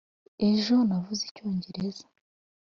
ejo navuze icyongereza.